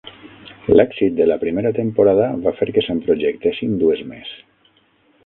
L'èxit de la primera temporada va fer que se'n projectessin dues més.